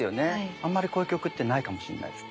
あんまりこういう曲ってないかもしんないです。